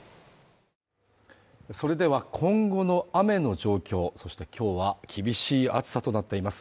それでは今後の雨の状況、そして今日は厳しい暑さとなっています。